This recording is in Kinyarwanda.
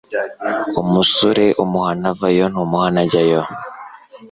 Umusore umuhana avayo ntumuhana ajyayo